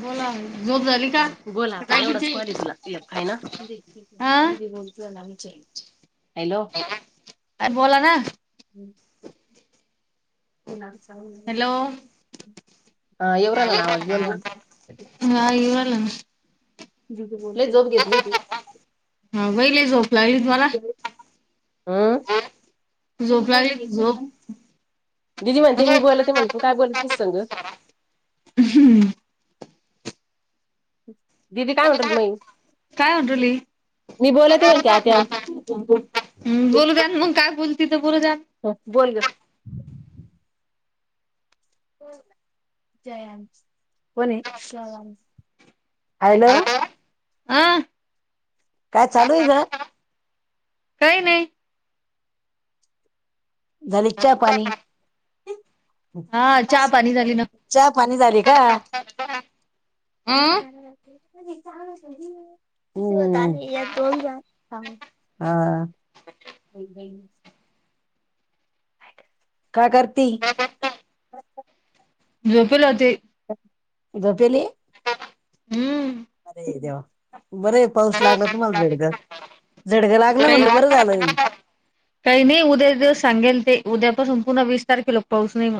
बोला झोप झाली का बोला आता एवढाच जागीचे कवारी तू लागते खाय ना [inaudible] हा जे अर बोला ना होणा [inaudible] हॅलो हा येवरला ना आवाज हम्म लय झोप घेतली तू व्हय लई झोप लागली जोरात हम [inaudible] लागली झोप दिदी म्हणते मी बोलला ते म्हणतो काय बोला तेच संग हम्म दिदी काय म्हटलं मई [unintelligible] म्हणते आत्या बोल मग काय बोल हो बोल ग य को हॅलो आं काय चालू आहे ग काही नाही लच्या पाणी हा चहा पाणी झाली ना चहा पाणी झाले का अं तळ दोन ह [inaudible] होय काय काय करती झोपले होते झोपेली हम्म अरे देवा बरं पाऊस लागला तुम्हाला दड घर झडगं लागलं काही म्हणलं बरं झालंय काही नाही उद्या दिवस सांगेल ते उद्यापासून पुन्हा वीस तारखेला पाऊस नाही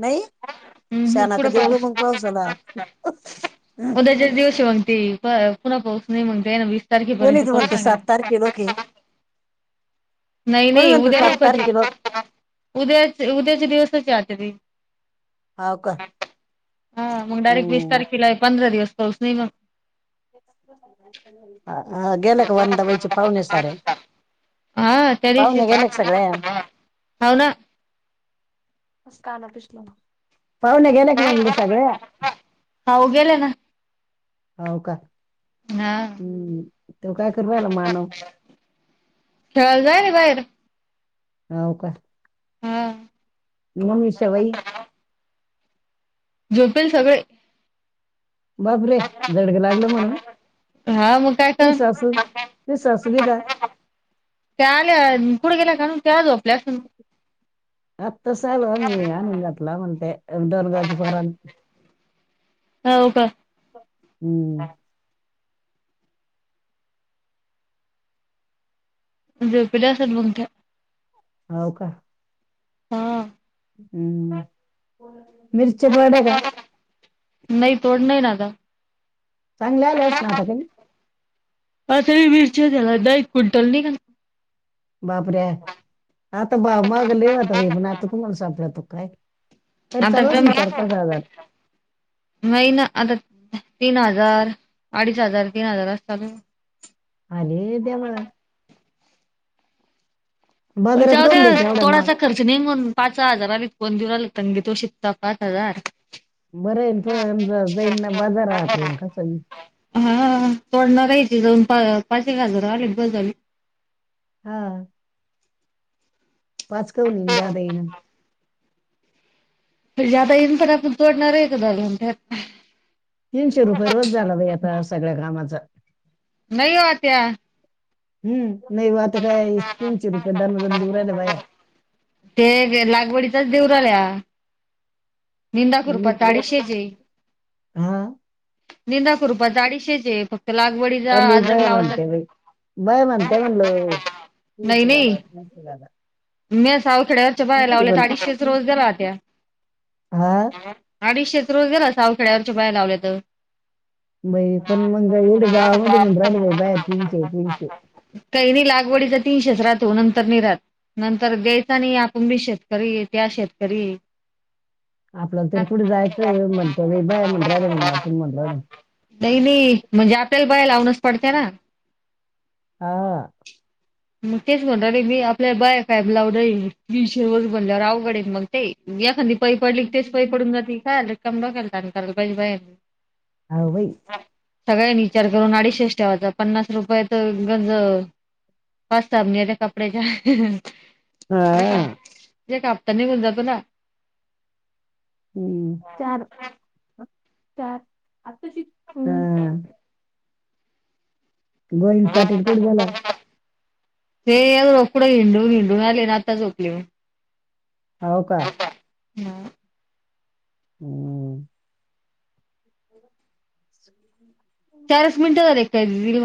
नाही हम्म ह शाना पुढं कधी उग पाऊस मग पावसाला उद्याच्या दिवशी मग त प पुन्हा पाऊस नाही मग जा ना वीस कोणी तारखेपर्यंत तू पास म्हणतो सांग सात तारखे लोक आहे नाही कोणी नाही म्हणतो सात उद्या तारखे लोक उद्या उद्याच्या दिवसाची आतवी हा का हा मग डायरेक्ट वीस हम्म तारखेला पंधरा दिवस पाऊस नाही मग अ गेले का वंदाबाईचे पाहुणे सारे हा तरी पाहुणे गेले का हो ना मस्ताना पिछला पाहुणे गेले का म्हणलं सगळे हाव गेले ना होव का हा हम् तेव काय करू राहिला मानव खेळायला जाय ना बाहेर हाऊ का हा हो उषाबाई झोपेले सगळे बाप रे जडग लागलं म्हणून हा मग काय का ते सासू ते सासू बी का त्या आल्या कुठे गेल्या का त्या झोपल्या असून आत्ता चालू आम्ही आणून घातला म्हणते दोनगाज पर हो का हम्म झोपले असेल मग का होव का हा हम्म मिरची पडे का नाही तोड नाही आता चांगले आलंस ना आता काही आतारी मिरच्या झाला द एक क्विंटल निघात बाप रे आाता बाप मागले होता ब पण त घुमण सपड्या तुका आहे आता मही ना आता तीन हजार अडीच हजार तीन हजार असता तू अले दे म पण बाजारात जाऊ दे काऊन देते एवढ्या महाग थोडासा खर्च नाही म्हण पाच हजाराला कोण दिवला तंगी तो शता पाच हजार बरं आहे पमज जाईन ना बाजार आातून कसं ह तोडणं काही पाच एक हजार आले बस झाली हा पाच काऊनी जादा येणार ज्यादा येईन पण आपण तोडणार आहे कदाल तर तीनशे रुपया रोज झाला बाई आता सगळ्या कामाच नाही हो आत्या हम् नाही आता काय तीनशे रुपये दनादानऊरायला बाया ते लागवडीचाच देऊरा आल्या निंदा करूप मिरच्या चाडीशेचेे हा निंदा कररूप चाडीशेचेे फक्त लागवडीचा का अद्रक भय लावायचा म्हणते भाई भय म्हणते म्हणल तच ग झा मे सावखेड्यावरच्या बाहे लावल्या तर अडीचशेच रोज दलात्या हा अडीचशे.. रोज गला सावखड्यावरच्या बाहेर लावल्या तर.. बाई पण मग एढ गावामध्ये म्हण राहिले बाई बाहेर तीनचे तीनचे... काही नाही लागवडीचा तीनशेच राहातो नंतर नि राहात... नंतर द्यायच नाही या कुंभी शेतकरी त्या शेतकरी... आपल्याला तरी पुढे जायचं म्हणत वि बा आहे म्हण राहिले म्हण आपण म्हणलं ना... नाही म्हणजे आपल्याल बाय लावूनच पडते ना... हा... मग तेच म्हणत रे मी आपल्याला बाय काय ब्लावड तीशे वस बनल्यावर अवघडे मग ते याखादी... पई पडली तेच पई पडून जाती का र कम ब केलहि बा.. व्हय सगळ्यांनी विचार करून अडीशष्ट ठेवाचा पन्नास रुपये तर गंज... हस्ताबन ते कपडेच्या... हा... ते कापता निघऊन जातो ना... त्या आता श.... गोविंद पाटील कोठ झाला... ते रकडं हिंडून हिंडून आले ना आता झोपले... हो का... हम... हम्म... चारच मिनिटं झाल काय दिल...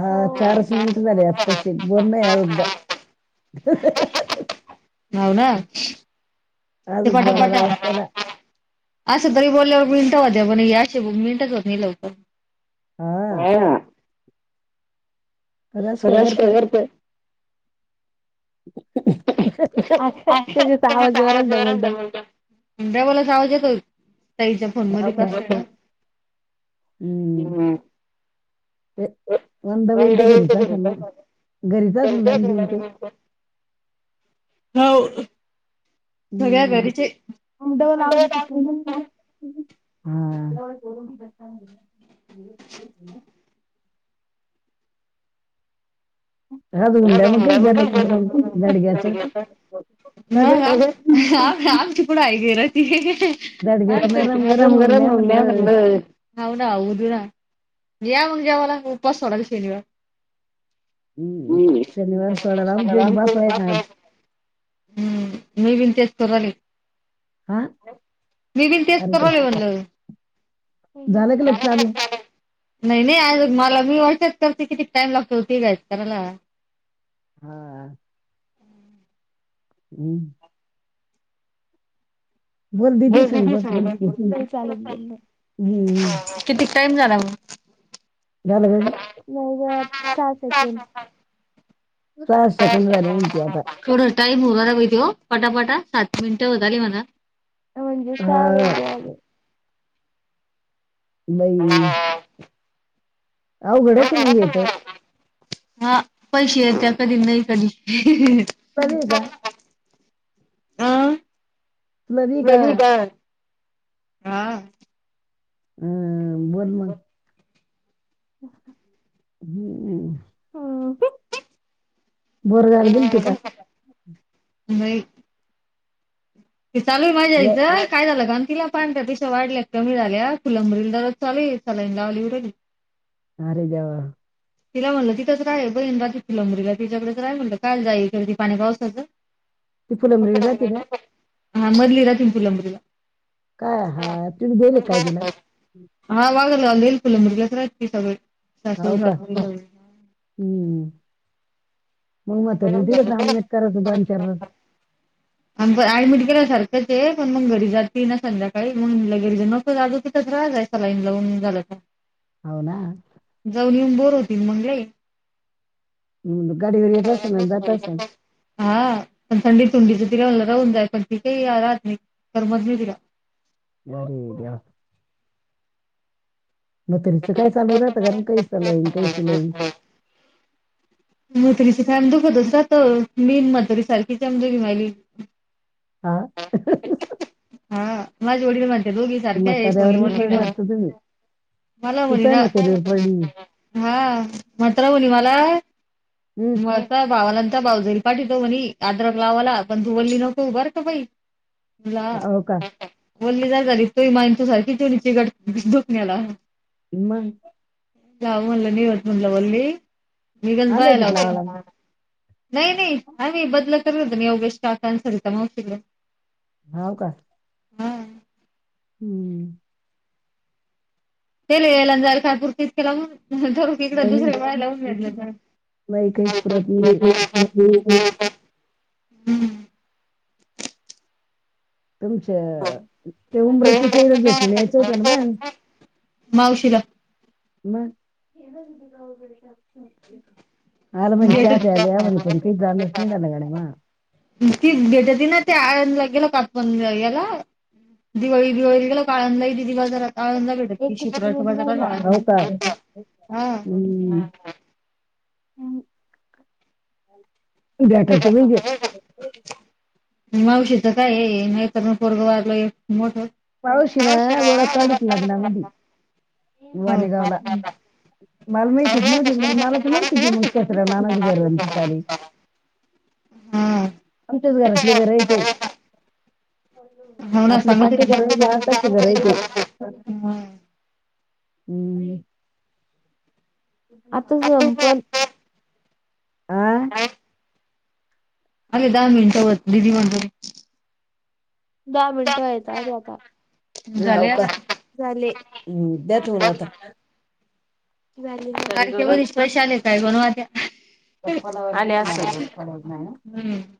हा चारस मिनट झाले आताशीे बोर नाही याद... [inaudible] होव ना.... अ ते बोला पटापटा लागतला... असं तरी बोलल्यावर मिनिट वा द्या म्हण अश मिनिटच होत नाही लवकर., हा... कश रश काय तगरत.. चा आवाज बर म्हण.. आवाज येतो... तईच्या फोन हो मध्ये का कस हम्म... ते मंद बईल ते घरीच असेल ना.. घरीचाच दिल तर... हो... हम्मडव आवाज येत... ह... राजू [inaudible] ह हुंड्या मग काही गरम दाडग्याचं का ग आमची पढाई गे राहती... दाडग्याचं नरम गरम नंगर हुंड्या मम्या म्हणलं म्हण हऊ नाऊद ना... या म्हग जेव्हाला उपास सोडाल शनिवार... हम्म शनिवार सोडायला आमचे हम्... बाप आहे ना आज मी बीन तेसतराली हा मी बीन अरे वा. तेचतराली म्हण... झालं क ल चालू... नाही नाही आज मला मी वाचत करते किती टाइम लागतो ते घ करायला.... हा... हम्म. बोल दीदी संग ब बोल बोल कि किती टाइम झाला मग? [unintelligible] झालं का ग नऊ वेळा सहा सेकंड. झाले म्हणते आता थोड टाईम [unintelligible] त्यो पटापटा सात मिनिटं होत आली मला. म्हणजे [inaudible] नाई. अवघडश मग येत. म्हणा. हा पैसे येत्या कधी नाही कधी [unintelligible] आह. नवी का? हा. हम् बोल म - - हम्म. बोरगाल गेलती का? नाही. ते चालय य- माजीयाहीत. काय झालं काल? तिला पांढऱ्या पेशी वाढल्या कमी झाल्या फुलंबरीला दररोज [unintelligible] सलाईन लावली. अरे देवा तिला म्हणलं तिथंच राय बहीण राती फुलंबरीला तिच्याकडेच राय म्हणलं कायनं जाई पाण्या पावसाचं. ती फुलंबरीला राती का? हा मधली राहती न पुलंबरीला. काय हा तिने दिले काय तिला हा वा फुलांबरी हेना फुलांवरीलाच राहती ती सगळी सारु हो का सासरे हम्म [unintelligible] मग म्हतारी तिला सगळे. काम नाही करायचं दोनचार वर्ष. ऍडमिट केल्या सारखंचये पण मग घरी जाती ना संध्याकाळी मग [unintelligible] [unintelligible] सलाईन लावून झालं तर होना. जाऊन बोर होती मग लई. गाडीवर येत असणं आणि जातं असणं. हा पण थंडी [unintelligible] ति रहून जाय पण ती काय राहत नाही करमत नाही तिरा. [unintelligible] बर होऊ द्या. [unintelligible] काय सलाईन काय सलाईन मथरीच कायम दुखतच रात मीन मथारी सारखी व्हायली. हा. हा माझे वडील माणते दोघी सारख्या हाय म्हाताऱ्यावर कोनी नाही पडले वाटतं तुम्ही मला तू बोली काय ना म्हातारीवर पडली [inaudible] हा म्हातारा बोली मला. हम्म [unintelligible] भावाला भाऊजली पाठीतो म्हनी आद्रक लावाला पण तू बोली नको बर का बाई. तुला हो का [unintelligible] बोलली नाही जरी ति माय [unintelligible] सारखी, [unintelligible] दुखन्याला. म गं. जाऊ म्हणलं [unintelligible] मी दोन आले बाया ते लावाला लावत्या. नाई नाई आम्ही बदला करू [unintelligible] योगेश काका न सरिता मावशीकड. होव का? हा. हम्म. ते ला यायलां आणि जायलां काय करत्याती जाऊन हजार रुपये हिकडं नाही नाही दुसरीकडं घातल्याती. नाही काही परत नाही. हम्म. तुमच ते उम्रतीचे इच भेटून यायचं होतं ना बायानो. मावशीला मग आल म्हण गेट चाह ते आला या म्हण पण कत आलस नडला गाडे म ती भेटती ना ते आळंदला गेला कापण याला दिवाळी दिवाळी गेला काळंदला दि दि एक राला हो का आळंदला हा हम्म [unintelligible] बटाचे म्हहिजे [unintelligible] मावशी तर काय आहे नाहीतण पोरगं वाारलंय मोठ पावशी ना वळा काढच लागणार मधी का? वानेगावला मला माहितीच नव्हती म मला तर माहिती मग त्यात्र नानाच घरणती सारी हा. आमच्याच घरातले घर आहे ते हो ना आपले सांगत पंच होती. घरा कशी करायचे हा. हम्म आता संपण आ अग दहा मिनटं होत ददी म्हणतरी दहा मिनटं आहेतेत अरे आता झाले का आता. झाले हम्म द्या ठेवून आता तरी ग लाडक्या ग बहिणीचे पैसे आले काय बण आले असेल हम्म.